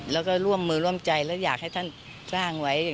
แล้วก็ร่วมมือร่วมใจและอยากให้ท่านสร้างไว้